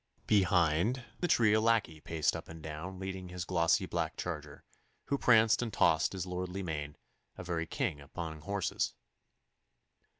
Behind the tree a lackey paced up and down leading his glossy black charger, who pranced and tossed his lordly mane, a very king among horses.